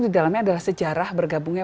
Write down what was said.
didalamnya adalah sejarah bergabungnya